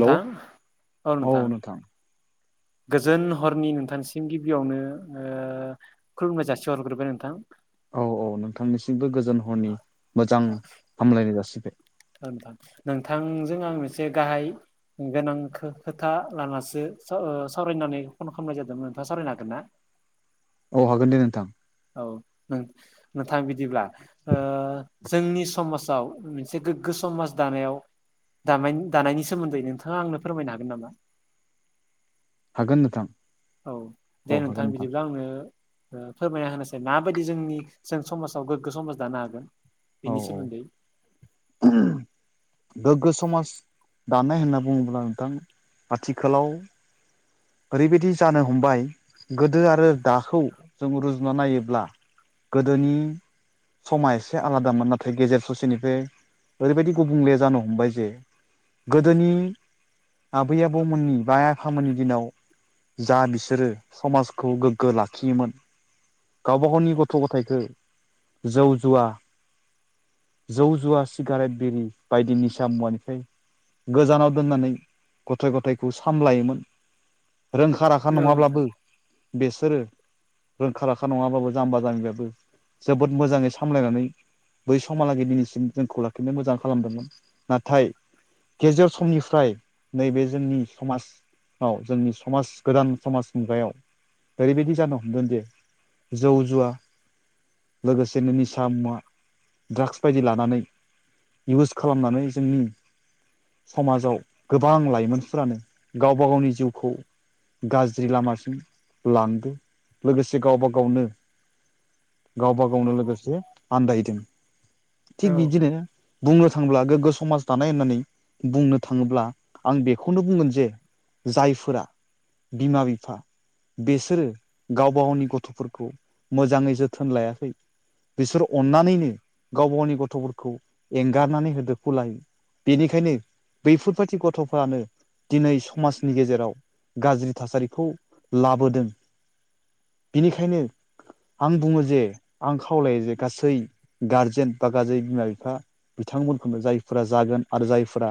Hello औ नोंथां गोजोन हरनि नोंथांसिम गिबियावनो ओ खुलुमनाय जासिहरग्रोबाय नोंथां औ औ नोंथांनिसिमबो गोजोन हरनि औ मोजां हामलायनाय जासिबाय थां नोंथांजों आं मोनसे गाहाय गोनां खोथा लानासो सावरायनानै फन खालामनाय जादोंमोन नोंथाङा सावरायनो हागोन ना औ हागोन दे नोंथां औ नो नोंथां बिदिब्ला ओ जोंनि समाजाव मोनसे गोग्गो समाज दानायाव दानाय दानायनि सोमोन्दै नोंथाङा आंनो फोरमायनो हागोन नामा हागोन नोंथां औ दे औ नोंथां हागोन बिदिब्ला आंनो ओ फोरमायना होनोसै माबायदि जोंनि जों समाजाव गोग्गो समाज दानो हागोन औ बेनि औ सोमोन्दै [unintelligible] गोग्गो समाज दानाय होनना बुङोब्ला नोंथां आथिखालाव ओरैबायदि जानो हमबाय गोदो आरो दाखौ जों रुजुना नायोब्ला गोदोनि समा एसे आलादामोन नाथाय गेजेर ससेनिफ्राय ओरैबायदि गुबुंले जानो हमबाय जे गोदोनि आबै आबौमोननि बा आइ आफामोननि दिनाव जा बिसोरो समाजखौ गोग्गो लाखियोमोन गावब गावनि गथ' गथायखो जौ जुवा जौ जुवा सिगारेट बिरि बायदि निसा मुवानिफ्राय गोजानाव दोननानै गथ' गथायखौ सामलायोमोन रोंखा राखा नोंथां नङाब्लाबो बेसोरो रोंखा राखा नङाबाबो जाम्बा जाम्बियाबो जोबोद मोजाङै सामलायनानै बै समहालागै दिनैसिम जोंखौ लाखिनो मोजां खालामदोंमोन नाथाय गेजेर समनिफ्राय नैबे जोंनि समाजाव जोंनि समाज गोदान समाज मुगायाव ओरैबायदि जानो हमदोंदि जौ जुवा लोगोसेनो निसा मुवा ड्राग्स बायदि लानानै इउस खालामनानै जोंनि समाजाव गोबां लाइमोनफोरानो गावबा गावनि जिउखौ गाज्रि लामाजों लांदो लोगोसे गावबा गावनो गावबा गावनो लोगोसे आन्दायदों औ थिग बिदिनो बुंनो थाङोब्ला गोग्गो समाज दानाय होननानै बुंनो थाङोब्ला आं बेखौनो बुंगोन जे जायफोरा बिमा बिफा बेसोरो गाव गावनि गथ'फोरखौ मोजाङै जोथोन लायाखै। बिसोर अन्नानैनो गाव गावनि गथ'फोरखौ एंगारनानै होदो। बेनिखायनो बैफोरबायदि गथ'फोरानो दिनै समाजनि गेजेराव गाज्रि थासारिखौ लाबोदों बिनिखायनो आं बुङो जे आं खावलायो जे गासै गारजेन बा गारजेन बिमा बिफा बिथांमोनखौनो जायफोरा जागोन आरो जायफोरा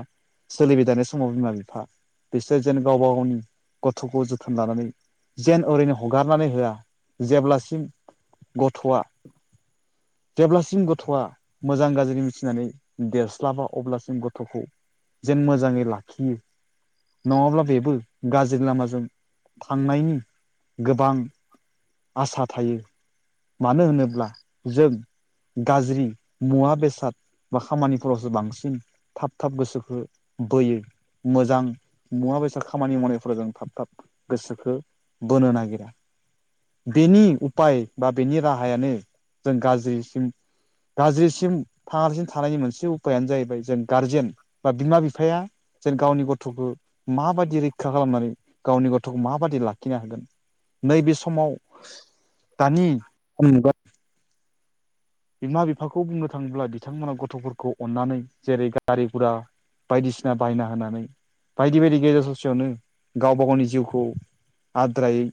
सोलिबाय थानाय समाव बिमा बिफा बिसोर जेन गावबा गावनि गथ'खौ जोथोन लानानै जेन ओरैनो हगारनानै होआ जेब्लासिम गथ'आ जेब्लासिम गथ'आ मोजां गाज्रि मिथिनानै देरस्लाबा अब्लासिम गथ'खौ जेन मोजाङै लाखियो नङाब्ला बेबो गाज्रि लामाजों थांनायनि गोबां आसा थायो। मानो होनोब्ला जों गाज्रि मुवा बेसाद बा खामानिफोरावसो बांसिन थाब थाब गोसोखौ बोयो। मोजां मुवा बेसाद खामानि मावनाय थाब थाब गोसोखौ बोनो नागिरो। बेनि उफाय बा बेनि राहायानो जों गाज्रिसिम गाज्रिसिम फाङासिन थानायनि मोनसे उफायानो जाहैबाय जों गारजेन। बा बिमा बिफाया जेन गावनि गथ'खौ माबायदि रैखा रैखा खालामनानै गावनि गथ'खौ माबादि लाखिनो हागोन नैबे समाव दानि [unintelligible] बिमा बिफाखौ बुंनो थाङोब्ला बिथांमोना गथ'फोरखौ अननानै जेरै गारि गुरा बायदिसिना बायना होनानै बायदि बायदि गेजेर ससेयावनो गावबा गावनि जिउखौ आद्रायै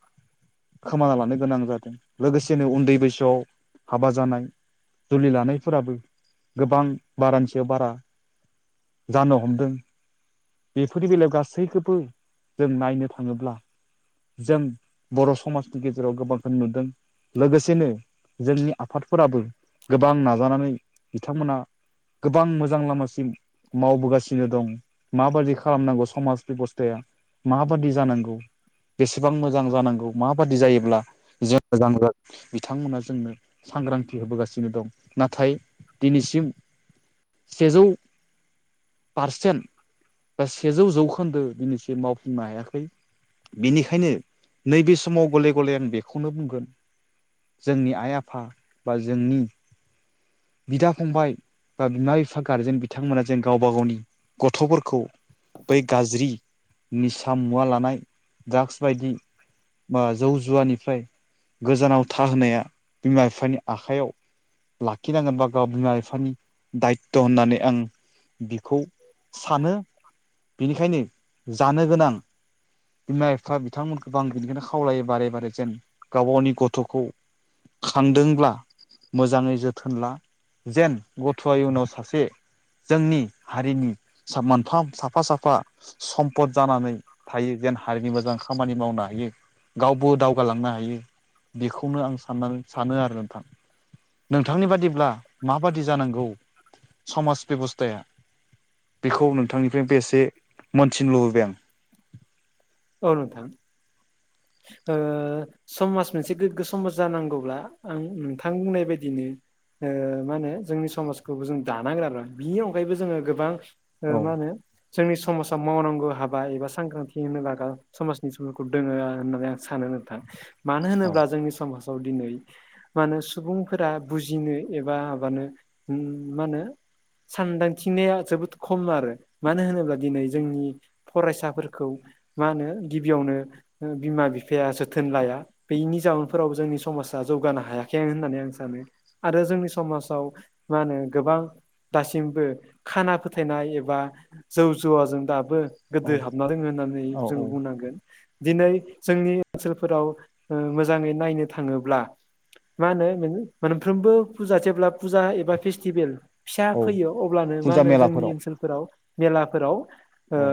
खोमाना लानो गोनां जादों लोगोसेनो उन्दै बैसोआव हाबा जानाय। जुलि लानायफोराबो गोबां बारानि सायाव बारा जानो हमदों। बेफोरनि बेलायाव गासैखौबो जों नायनो थाङोब्ला जों बर' समाजनि गेजेराव गोबांखौ नुदों। लोगोसेनो जोंनि आफादफोराबो गोबां नाजानानै बिथांमोना गोबां मोजां लामासिम मावबोगासिनो दं माबायदि खालामनांगौ समाज बेबस्थाया। माबादि जानांगौ। बेसेबां मोजां जानांगौ माबादि जायोब्ला जों मोजां बिथांमोना जोंनो सांग्रांथि होबोगासिनो। दं नाथाय दिनैसिम सेजौ पारसेन्ट बा सेजौ जौखोन्दो दिनैसम मावफुंनो हायाखै। बेनिखायनो नैबे समाव गले गले आं बेखौनो बुंगोन जोंनि आइ आफा बा जोंनि बिदा फंबाय बा बिमा बिफा गारजेन बिथांमोना जों गावबा गावनि गथ'फोरखौ बै गाज्रि निसा मुवा लानाय ड्राग्स बायदि बा जौ जुवानिफ्राय गोजानाव थाहोनाया बिमा बिफानि आखायाव। लाखि नांगोनबा गाव बिमा बिफानि दायथ' होननानै आं बिखौ सानो बिनिखायनो जानो गोनां‌। बिमा बिफा बिथांमोनखौ आ बिनिखौायनो लंल्लखावलायो बारे बारे जेन गावब गावनि गथ'खौ खांदोंब्ला मोजाङै जोथोन ला जेन गथ'आ इयुनाव सासे जोंनि हारिनि मोनफाम साफा साफा। सम्पद जानानै थायो जेन हारिनि मोजां खामानि मावनो हायो। गावबो दावगालांनो हायो बेखौनो आं साननानै सानो आरो नोंथां। बिथांनि बादिब्ला माबादि जानांगौ समाज बेब'स्थाया बेखौ नोंथांनिफ्रायनोबो एसे मोनथिनो लुुबैबाय आं औनथां। ओ समाज मोनसे गोग्गो समाज जानांगौब्ला आं नोंथां बुंनाय बादिनो ओ मा होनो जोंनि समाजखौबो जों दानांग्रााब्रा बिनि अनगायैबो जोङो गोबां। ओ आं मा होनो। जोंनि समाजाव मावनांगौ हाबा एबा सांग्रांथि होनो लागा समाजनि समखौ दोङो होननानै आं सानो नोंथां मानो औ होनोब्ला जोंनि समाजाव दिनै मा होनो सुबुंफोरा बुजिनो एबा माबानो मा होनो। सानदांथिनाया जोबोद खम आरो मानो होनोब्ला दिनै जोंनि फरायसाफोरखौ मा होनो गिबियावनो बिमा बिफाया जोथोन लाया बैनि जाउनफोरावबो जोंनि समाजा जौगानो हायाखै होननानै आं सानो आरो जोंनि समाजाव मा होनो गोबां दासिमबो खाना फोथायनाय एबा जौ जुवाजों दाबो गोदो हाबना दोङो होननानै औ औ जोंङो बुंनांगोन। दिनै जोंनि ओनसोलफोराव मोजाङै नायनो थाङोब्ला। मा होनो नों मोनफ्रोमबो फुजा जेब्ला फुजा एबा फेस्टिभेल फिसा औ फैयो अब्लानो मा फुजा होनो जोंनि मेलाफोराव ओनसोलफोराव मेलाफोराव ओ औ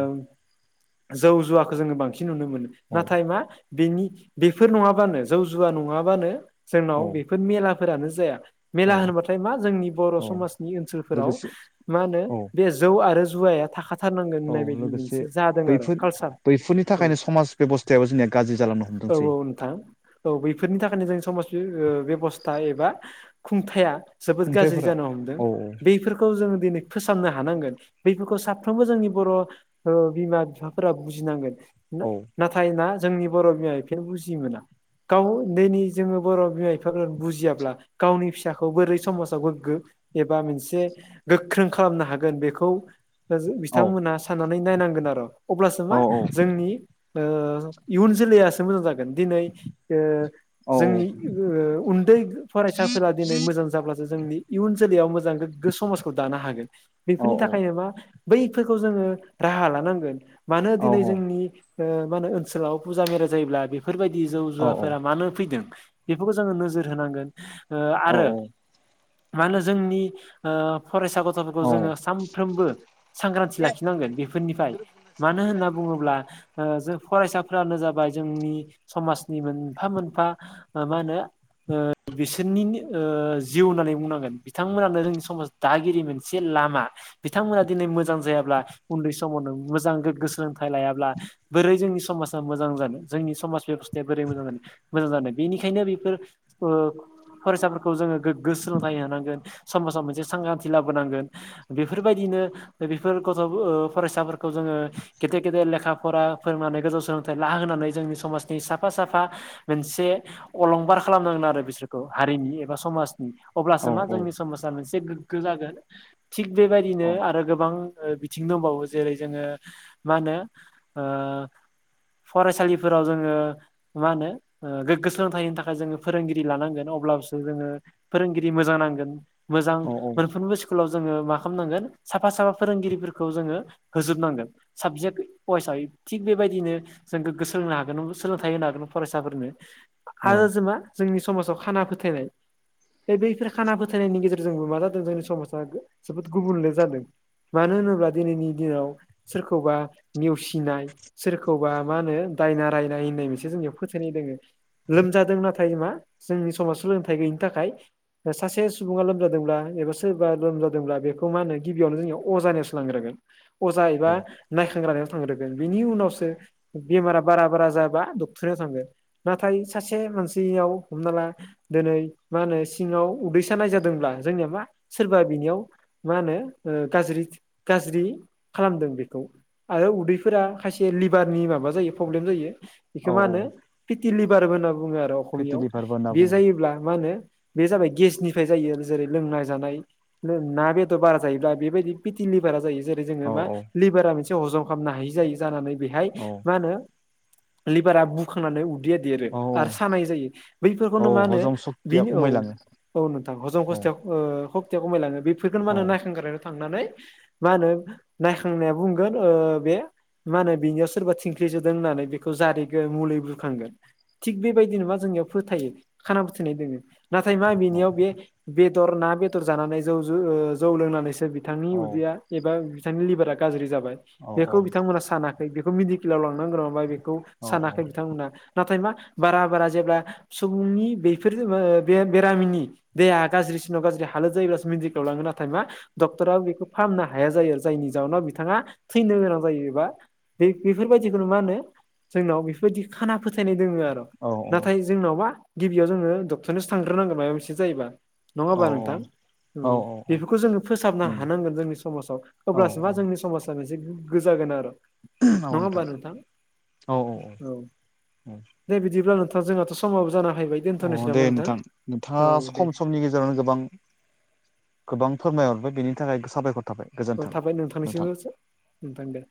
जौ जुवाखौ जोङो बांसिन नुनो मोनो औ नाथाय मा बेनि बेफोर नङाबानो जौ जुवा नङाबानो जोंनाव औ बेफोर मेलाफोरानो जाया औ मेला होनबाथाय मा जोंनि बर' औ समाजनि ओनसोलफोराव लोगोसे मा होनो औ बे जौ आरो जुवाया थाखाथारनांगोन औ होननाय बायदि मोनसे लोगोसे जादों आरो कालसार औ बेबस्थायाव जोंनिया गाज्रि जालनो औ हमदोंसै। औ बैफोरनि थाखायनो जों समाज बेबस्था एबा खुंथाया जोबोद गाज्रि खुंथाइफोरा जानो हमदों औ बेफोरखौ खौ जोङो दिनै फोसाबनो हानांगोन बेफोरखौ साफ्रोमबो जोंनि बर' औ बिमा बिफाफोरा बुजिनांगोन औ नाथाय ना जोंनि बर' बिमाया बिफोर बुजि मोना गाव दिनि जोङो बर' बिमा बिफाफोर बुजियाब्ला गावनि फिसाखौ बोरै समाजाव गोग्गो एबा मोनसे गोख्रों खालामनो हागोन बेखौ। औ बिथांमोनहा साननानै नायनांगोन आरो अब्लासो मा जोंनि। इयुन जोलैयासो मोजां जागोन दिनै ओ औ जोंनि उन्दै फरायसाफोरा दिनै मोजां जाब्लासो जोंनि इयुन जोलैयाव मोजां गोग्गो समाज खौ दानो हागोन औ बेफोरनि थाखायनो मा बैफोरखौ जोङो राहा लानांगोन मानो औ दिनै जोंनि मा होनो ओनसोलाव फुजा मेरा जायोब्ला बेफोरबायदि जौ औ जुवाफोरा मानो फैदों। बेफोरखौ जोङो नोजोर होनांगोन औ आरो। मानो जोंनि फरायसा गथ'फोरखौ जोङो सानफ्रोमबो। सांग्रांथि लाखिनांगोन बेफोरनिफ्राय मानो होनना बुङोब्ला। जों फरायसाफ्रानो जाबाय जोंनि समाजनि मोनफा मोनफा मा होनो ओ बिसोरनि जिउ होननानै बुंनांगोन बिथांमोनानो जोंनि समाज दागिरि मोनसे लामा--। बिथांमोना दिनै मोजां जायाब्ला उन्दै समावनो मोजां गोग्गो सोलोंथाइ लायाब्ला बोरै जोंनि समाजा मोजां जानो जोंनि समाज बेब'स्थाया बोरै मोजां जानो मोजां जानो बेनिखायनो बेफोर ओ फरायसाफोरखौ जोङो गोग्गो सोलोंथाइ होनांगोन समाजाव मोनसे सांग्रांथि लाबोनांगोन । बेफोरबायदिनो बेफोर गथ' ओ फरायसाफोरखौ जोङो गेदेर - गेदेर लेखा फरा फोरोंनानै गोजौ सोलोंथाइ ला होनानै जोंनि समाजनि साफा - साफा मोनसे अलंबार खालामनांगोन आरो बिसोरखौ हारिनि एबा समाजनि । अब्लासो मा जोंनि समाजा मोनसे गोग्गो जागोन थिग बेबायदिनो आरो गोबां बिथिं दंबावो जेरै जोङो मा होनो ओ फरायसालिफोराव जोङो मा होनो गोग्गो सोलोंथाइनि थाखाय जोङो फोरोंगिरि लानांगोन अब्लासो जोङो फोरोंगिरि मोजां नांगोन मोजां औ मोनफ्रोमबो स्कुलाव जोङो मा खामनांगोन साफा - साफा फोरोंगिरिफोरखौ जोङो होजोबनांगोन । साबजेक्ट अयसायै थिग बेबायदिनो जों गोग्गो सोलोंनो हागोन सोलोंथाइ होनो हागोन फरायसाफोरनो । आरो औ जों मा जोंनि समाजाव खाना फोथायनाय बे बैफोर खाना फोथायनायनि गेजेरजोंबो मा जादों जोंनि समाजा जोबोद गुबुनले जादों । मानो होनोब्ला दिनैनि दिनाव सोरखौबा नेवसिनाय, सोरखौबा मा होनो दायना रायनाय होननाय मोनसे जोंनियाव फोथायनाय दोङो । लोमजादों नाथाय मा जोंनि समाज सोलोंथाइ गैयिनि थाखाय सासे सुबुङा लोमजादोंब्ला एबा सोरबा लोमजादोंब्ला बेखौ मा होनो गिबियावनो जोंनिया अजानियावसो अजा एबा नायखांग्रानाव थांगोन बिनि उनावसो बेमारा बारा - बारा जाबा डक्टरनियाव थांगोन । नाथाय सासे मानसियाव हमना ला दोनै मा होनो सिङाव उदै सानायनाय जादोंब्ला जोंनिया मा सोरबा बिनियाव मा होनो ओ गाज्रि - गाज्रि खालामदों बेखौ आरो उदै फोरा खायसे लिभारनि माबा जायो प्रब्लेम जायो बेखौ मा होनो औ पिटिलिबार होनना बुङो। आरो फेटि अखमियाव लिभारबो होनना बे बुङो जायोब्ला मा होनो बे जाबाय गेसनिफ्राय जायो जेरै लोंनाय, जानाय ना, बेदर, बारा जायोब्ला बेबायदि पिथि लिबारा जायो ।जेरै जोङो औ मा लिभारा मोनसे हजम खामनो हायि जायो। जानानै बेहाय औ मा होनो लिभारा बुखांनानै उदैया देरो औ आरो सानाय जायो । औ बैफोरखौनो मा होनो हजम सक्तिया बिनो औ खमायलाङो - औ नोंथां हजम औ खस्ताव सक्तयाव खमायलाङो बे फैगोन मा औ होनो नायखांग्रानाव थांनानै मा होनो नायखांनाया बुंगोन ओ बे मा होनो बेनियाव सोरबा थिंख्लिजोदों होननानै बेखौ जारिगोन मुलि बुरखांगोन । थिग बेबायदिनो मा जोंनियाव फोथायो खाना फोथायनाय दोङो । नाथाय मा औ बिनियाव बे बेदर ना बेदर जानानै जौ जु जौ लोंनानैसो बिथांनि औ उदैया एबा बिथांनि लिभारा गाज्रि जाबाय औ औ बेखौ बिथांमोना सानाखै बेखौ मेडिकेल आव लांनांगोन नामा बेखौ सानाखै बिथांमोना । नाथाय मा बारा - बारा जेब्ला सुबुंनि बेफोर बेरामिनि देहाया गाज्रिसिनाव गाज्रि हालोद जायोब्लासो मेडिकेलाव लाङो नाथाय मा डक्टराबो बेखौ फाहामनो हाया जायो आरो जायनि जाहनाव बिथाङा थैनो गोनां जायो। बा बे बेफोरबायदिखौनो मा होनो जोंनाव बेफोरबायदि खाना फोथायनाय दोङो आरो औ नाथाय जोंनावबा गिबियाव जोङो डक्टरनियावसो थांग्रोनांगोन माबा मोनसे जायोबा नङा होमबा नोंथां? औ बेफोरखौ जोङो फोसाबनो हानांगोन जोंनि समाजाव औ अब्लासो मा जोंनि समाज से गोग्गो जागोन आरो । नङा होमबा नोंथां औ औ । दे बिदिब्ला नोंथां जोंहाथ' समाबो जानो हैबाय । अ दे नोंथां नोंथाङा खम समनि गेजेरावनो गोबां गोबां फोरमायहरबाय बेनि थाखाय साबायखर थाबाय । अ थाबाय नोंथांनिसिमबो नोंथां दे